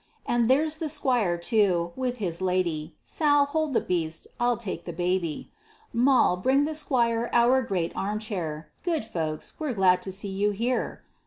And there's the 'Squire too, with his lady Sal, hold the beast, I'll take the baby, Moll, bring the 'Squire our great armchair; Good folks, we're glad to see you here.